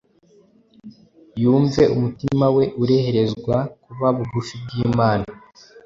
yumve umutima we ureherezwa kuba bugufi bw’Imana.